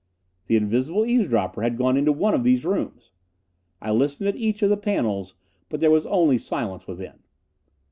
The invisible eavesdropper had gone into one of these rooms! I listened at each of the panels, but there was only silence within.